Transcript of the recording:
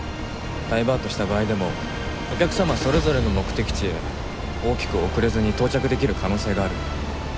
ダイバートした場合でもお客様それぞれの目的地へ大きく遅れずに到着できる可能性がある。